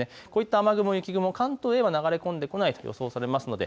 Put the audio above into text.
こういった雨雲、雪雲、関東には流れ込んで来ないと予想されます。